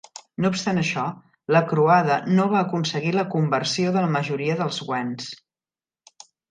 No obstant això, la croada no va aconseguir la conversió de la majoria dels wends.